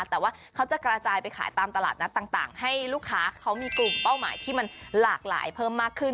แต่ว่าเขาจะกระจายไปขายตามตลาดนัดต่างให้ลูกค้าเขามีกลุ่มเป้าหมายที่มันหลากหลายเพิ่มมากขึ้น